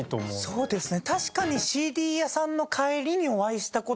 そうですね。